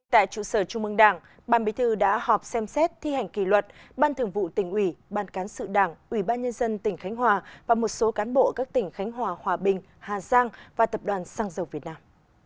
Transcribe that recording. tại trụ sở trung mương đảng ban bí thư đã họp xem xét thi hành kỷ luật ban thường vụ tỉnh ủy ban cán sự đảng ủy ban nhân dân tỉnh khánh hòa và một số cán bộ các tỉnh khánh hòa hòa bình hà giang và tập đoàn sang dầu việt nam